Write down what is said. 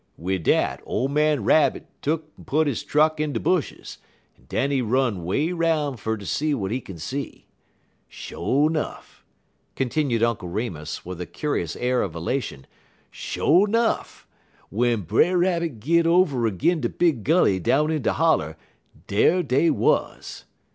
"Wid dat, ole man Rab. tuck'n put he truck in de bushes, en den he run 'way 'roun' fer ter see w'at he kin see. Sho' nuff," continued Uncle Remus, with a curious air of elation, "sho' nuff, w'en Brer Rabbit git over agin de big gully down in de holler, dar dey wuz.